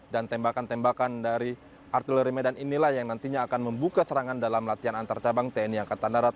dan tembakan tembakan dari artileri medan inilah yang nantinya akan membuka serangan dalam latihan antar cabang tni angkatan darat dua ribu tujuh belas